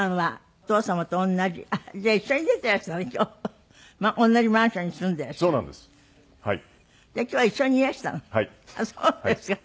はい。